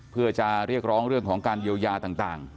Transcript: เพื่อจะเรียกร้องเรื่องของการเยียวยาต่าง